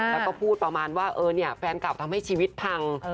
แล้วก็พูดประมาณว่าแฟนกลับทำให้ชีวิตพัง